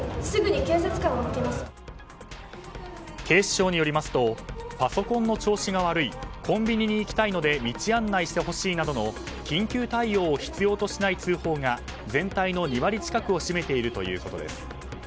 警視庁によりますとパソコンの調子が悪いコンビニに行きたいので道案内してほしいなどの緊急対応を必要としない通報が全体の２割近くを占めているということです。